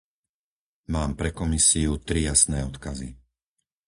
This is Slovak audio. Mám pre Komisiu tri jasné odkazy.